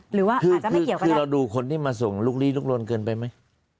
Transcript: หรือว่าอาจจะไม่เกี่ยวข้องคือเราดูคนที่มาส่งลุกลี้ลุกลนเกินไปไหม